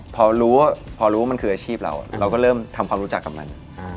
พอรู้ว่ามันคืออาชีพเราเราก็เริ่มทำความรู้จักกับมัน